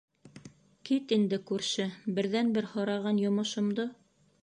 Кит инде, күрше, берҙән-бер һораған йомошомдо...